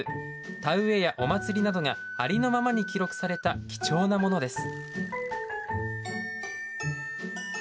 田植えやお祭りなどがありのままに記録された貴重なものです。